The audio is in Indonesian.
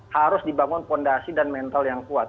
harus dibangun fondasi dan mental yang kuat